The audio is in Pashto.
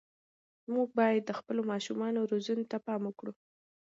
موږ باید د خپلو ماشومانو روزنې ته پام وکړو.